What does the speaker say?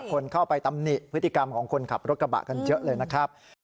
คนเข้าไปตำหนิพฤติกรรมของคนขับรถกระบะกันเยอะเลยนะครับ